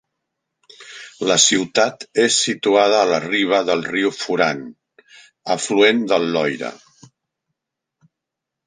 La ciutat és situada a la riba del riu Furan, afluent del Loira.